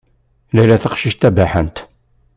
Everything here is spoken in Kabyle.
Layla d taqcict tabiḥant.